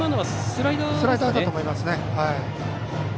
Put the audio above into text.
スライダーだと思いますね。